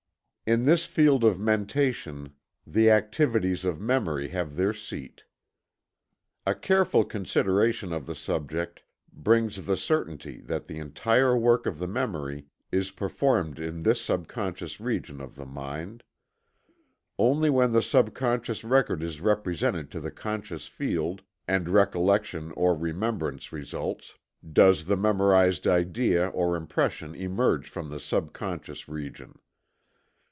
In this field of mentation the activities of memory have their seat. A careful consideration of the subject brings the certainty that the entire work of the memory is performed in this subconscious region of the mind. Only when the subconscious record is represented to the conscious field, and recollection or remembrance results, does the memorized idea or impression emerge from the subconscious region.